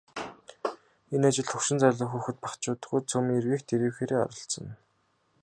Энэ ажилд хөгшин залуу, хүүхэд багачуудгүй цөм эрвийх дэрвийхээрээ оролцоно.